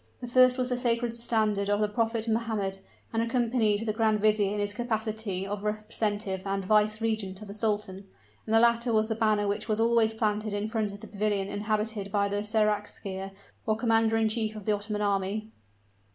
The first was the sacred standard of the Prophet Mohammed, and accompanied the grand vizier in his capacity of representative and vice regent of the sultan; and the latter was the banner which was always planted in front of the pavilion inhabited by the seraskier, or commander in chief of the Ottoman army.